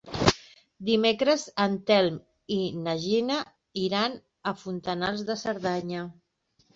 Dimecres en Telm i na Gina iran a Fontanals de Cerdanya.